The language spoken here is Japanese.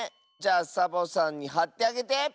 じゃあサボさんにはってあげて！